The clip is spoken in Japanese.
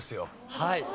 はい。